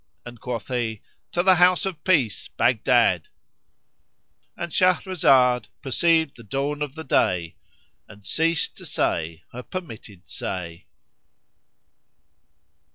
and quoth he, "To the House of Peace, Baghdad,"— And Shahrazad perceived the dawn of day and ceased to say her permitted say.